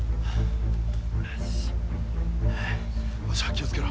気をつけろ。